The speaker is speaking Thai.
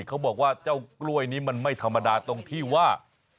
เขาบอกว่าเจ้ากล้วยนี้มันไม่ธรรมดาตรงที่ว่า